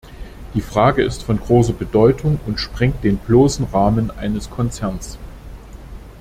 Diese Frage ist von großer Bedeutung und sprengt den bloßen Rahmen eines Konzerns.